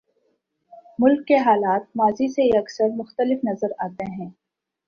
ملک کے حالات ماضی سے یکسر مختلف نظر آتے ہیں۔